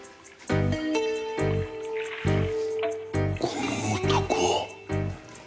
この男。